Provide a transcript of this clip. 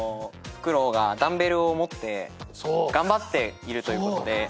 フクロウがダンベルを持って頑張っているということで。